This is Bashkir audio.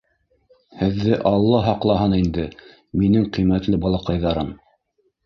— Һеҙҙе Алла һаҡлаһын инде, минең ҡиммәтле балаҡайҙарым...